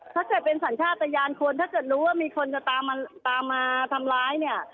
ถ้าเกิดเป็นสัญชาติตะยานคนถ้าเกิดรู้ว่ามีคนจะตามมาทำร้ายเนี่ย